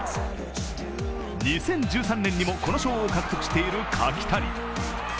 ２０１３年にもこの賞を獲得している柿谷。